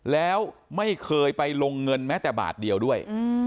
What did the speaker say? แล้วไม่เคยไปลงเงินแม้แต่บาทเดียวด้วย